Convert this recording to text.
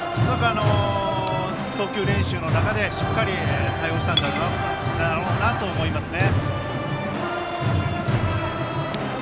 投球練習の中でしっかり対応したのだろうなと思いますね。